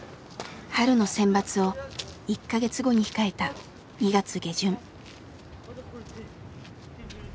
春の選抜を１か月後に控えた２月下旬。